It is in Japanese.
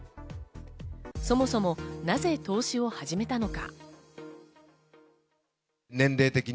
そもそも、なぜ投資を始めたのか？